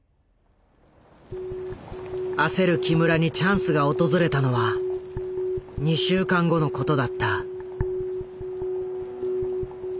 焦る木村にチャンスが訪れたのは２週間後のことだった。